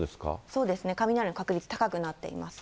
そうですね、雷の確率高くなっています。